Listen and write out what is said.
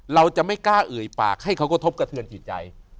เราจะไม่กล้าเอ่ยปากให้เขากระทบกระเทือนจิตใจ